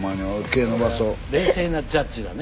冷静なジャッジだね。